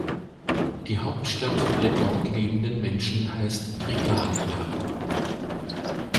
Die Hauptstadt der dort lebenden Menschen heißt „Regalia“.